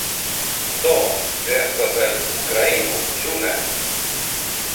Do, vi estas el Ukraino ĉu ne?